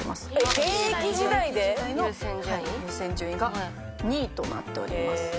現役時代の優先順位が２位となっております。